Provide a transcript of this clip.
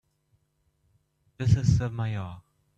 This is the Mayor.